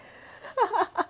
ハハハッ！